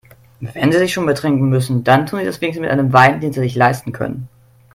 Wenn Sie sich schon betrinken müssen, dann tun Sie das wenigstens mit einem Wein, den Sie sich leisten können.